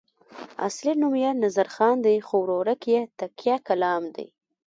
اصلي نوم یې نظرخان دی خو ورورک یې تکیه کلام دی.